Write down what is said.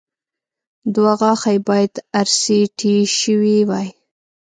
دوه غاښه يې باید ار سي ټي شوي وای